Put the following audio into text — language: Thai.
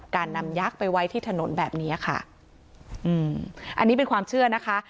การนำยักษ์ไปไว้ที่ถนนแบบเนี้ยค่ะอืมอันนี้เป็นความเชื่อนะคะ